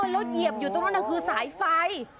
แล้วเหยียบอยู่ตรงนั้นคือสายไฟ